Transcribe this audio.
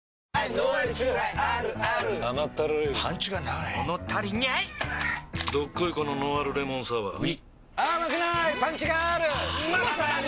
どっこいこのノンアルレモンサワーうぃまさに！